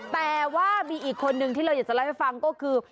แต่ว่ามีอีกคนนึงที่เราอยากจะเล่าให้ฟังก็คือ